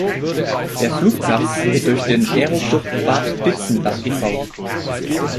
Der Flugplatz wird durch den "Aeroclub Bad Ditzenbach eV.